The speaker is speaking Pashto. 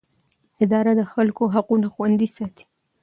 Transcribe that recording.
اداره د خلکو حقونه خوندي ساتي.